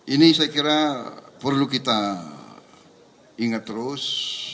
ini saya kira perlu kita ingat terus